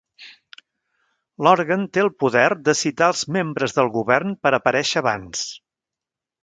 L'òrgan té el poder de citar els membres del govern per aparèixer abans.